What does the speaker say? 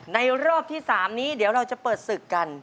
รอบที่๓นี้เดี๋ยวเราจะเปิดศึกกัน